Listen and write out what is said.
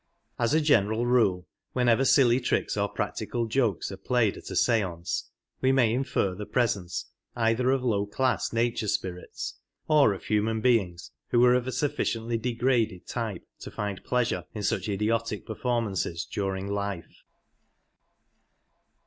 As a general rule, whenever silly tricks or practical jokes are played at a stance^ we may infer the pres 86 ence either of low class nature spirits, or of human beings who were of a sufficiently degraded type to find pleasure in such idiotic performances during life.